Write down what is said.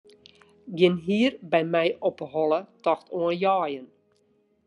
Gjin hier by my op 'e holle tocht oan jeien.